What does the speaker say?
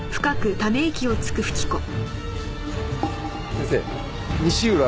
先生西浦